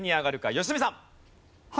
良純さん。